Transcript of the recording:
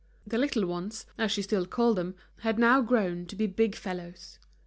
The little ones, as she still called them, had now grown to be big fellows.